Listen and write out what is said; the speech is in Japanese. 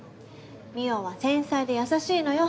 望緒は繊細で優しいのよ。